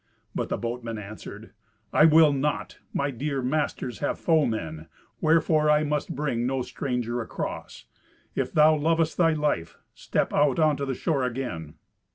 But the boatman answered, "I will not. My dear masters have foemen, wherefore I must bring no stranger across. If thou lovest thy life, step out on to the shore again."